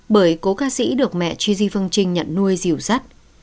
bởi cô ca sĩ được mẹ tri di phương trinh nhận nuôi dịu dắt